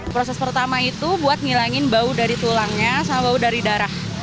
proses pertama itu buat ngilangin bau dari tulangnya sama bau dari darah